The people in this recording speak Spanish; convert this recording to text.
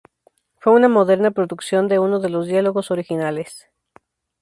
Fue una moderna producción de uno de los diálogos originales.